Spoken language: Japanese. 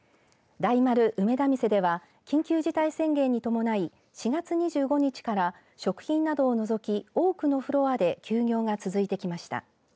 大丸梅田店では緊急事態宣言に伴い４月２５日から食品などを除き、多くのフロアで休業が続いてきました。